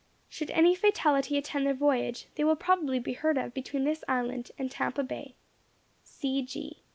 Should any fatality attend their voyage, they will probably be heard of between this island and Tampa Bay.